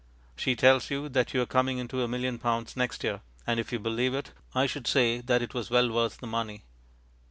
She tells you that you are coming into a million pounds next year, and if you believe it, I should say that it was well worth the money.